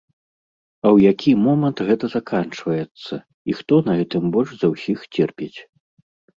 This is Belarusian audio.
А ў які момант гэта заканчваецца і хто на гэтым больш за ўсіх церпіць?